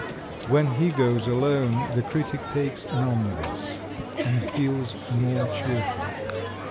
When he goes alone, the critic takes an omnibus, and feels more cheerful.